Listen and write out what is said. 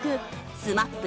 ＳＭＡＰ